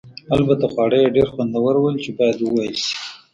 البته خواړه یې ډېر خوندور ول چې باید وویل شي.